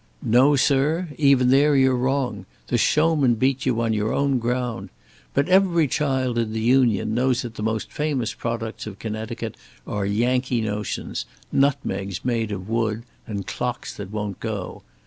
"No, sir! even there you're wrong. The showmen beat you on your own ground. But every child in the union knows that the most famous products of Connecticut are Yankee notions, nutmegs made of wood and clocks that won't go.